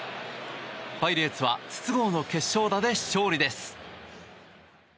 パイレーツは筒香の決勝打で勝利です。